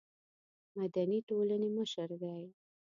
مدني ټولنې مشر دی.